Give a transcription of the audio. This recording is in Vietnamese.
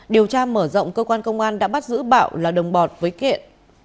điều tra mở rộng cơ quan công an đã bắt giữ bạo là đồng bọt với kiện